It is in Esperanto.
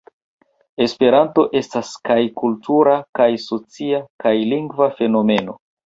Esperanto estas kaj kultura, kaj socia, kaj lingva fenomeno.